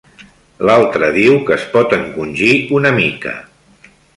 L'altre diu que es pot encongir una mica.